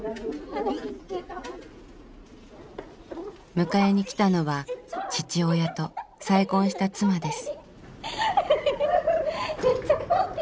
迎えに来たのは父親と再婚した妻です。